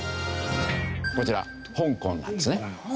こちら香港なんですね。